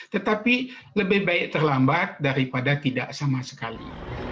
tetapi lebih baik terlambat daripada tidak sama sekali